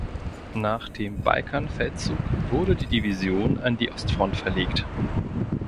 Nach dem Balkanfeldzug wurde die Division an die Ostfront verlegt.